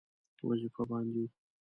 وظیفه باندې وو.